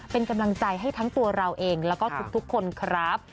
เป็นกำลังใจให้ทั้งตัวเราเองแล้วก็ทุกคนครับ